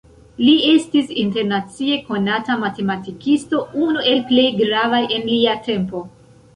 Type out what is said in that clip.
Li estis internacie konata matematikisto, unu el plej gravaj en lia tempo.